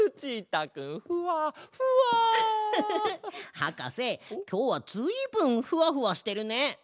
はかせきょうはずいぶんふわふわしてるね。